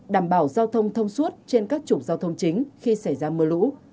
đảm bảo giao thông thông suốt trên các trục giao thông chính khi xảy ra mưa lũ